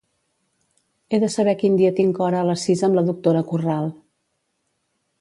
He de saber quin dia tinc hora a les sis amb doctora Corral.